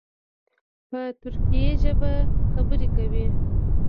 په ترکي ژبه خبرې کوي.